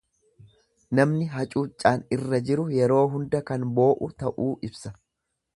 Namni hacuuccaan irra jiru yeroo hunda kan boo'u ta'uu ibsa.